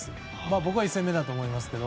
僕は１戦目だと思いますけど。